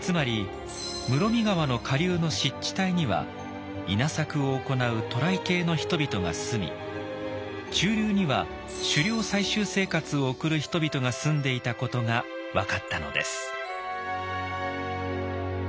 つまり室見川の下流の湿地帯には稲作を行う渡来系の人々が住み中流には狩猟採集生活を送る人々が住んでいたことが分かったのです。